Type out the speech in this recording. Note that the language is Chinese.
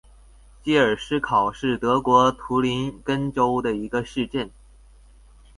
基尔施考是德国图林根州的一个市镇。